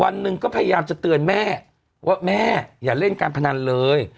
วันหนึ่งก็พยายามจะเตือนแม่ว่าแม่อย่าเล่นการพนันเลย